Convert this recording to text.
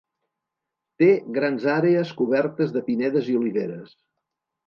Té grans àrees cobertes de pinedes i oliveres.